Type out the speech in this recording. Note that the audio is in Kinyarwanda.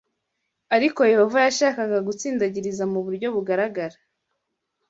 Ariko Yehova yashakaga gutsindagiriza mu buryo bugaragara